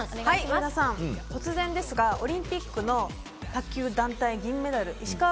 上田さん、突然ですがオリンピックの卓球団体銀メダル